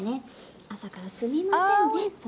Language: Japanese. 朝からすみませんね。